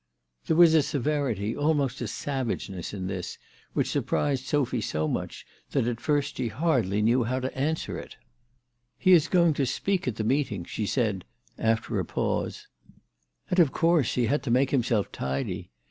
There was a severity, almost a savageness in this, which surprised Sophy so much that at first she hardly knew how to answer it. " He is going to speak at the meeting," she said after a pause. "And of course he 286 THE TELEGRAPH GIRL. had to make himself tidy.